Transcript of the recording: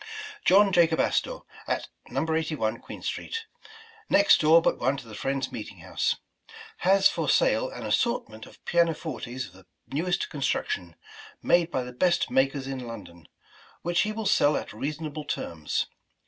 "John Jacob Astor, At No. 81 Queen Street, Next door but one to the Friends' Meeting House, Has for sale an assortment of Piano Fortes of the Newest Construction, made by the best makers in London, which he will sell at reasonable terms.